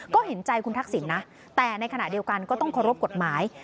ก็เห็นใจคุณทักษิณนะแต่ในขณะเดียวกันก็ต้องเคารพกฎหมาย